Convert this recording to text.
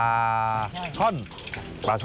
แม่เล็กครับ